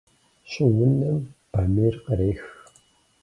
Щӏыунэм бамейр кърех.